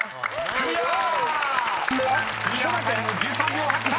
［クリアタイム１３秒８３］